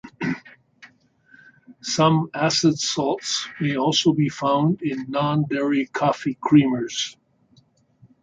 Some acid salts may also be found in non-dairy coffee creamers.